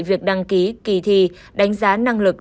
việc đăng ký kỳ thi đánh giá năng lực